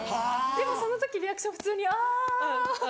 でもその時リアクション普通に「あぁ」って。